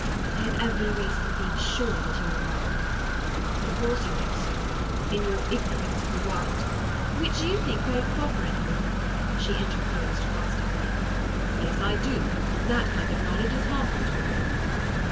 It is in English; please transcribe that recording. I have every reason for being sure that you are wrong." "Of course you think so. In your ignorance of the world—" "Which you think very proper in a woman," she interposed caustically. "Yes, I do! That kind of knowledge is harmful to a woman."